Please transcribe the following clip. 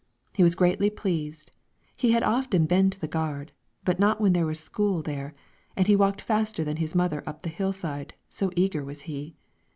He was greatly pleased; he had often been to the gard, but not when there was school there, and he walked faster than his mother up the hill side, so eager was he.